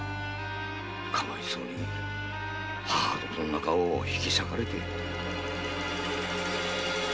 かわいそうに母と子の仲を引き裂かれて。